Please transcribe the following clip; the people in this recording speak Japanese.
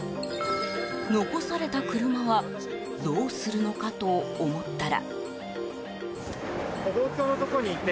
残された車はどうするのかと思ったら。